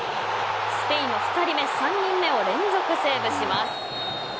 スペインの２人目、３人目を連続セーブします。